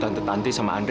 tante tanti sama anda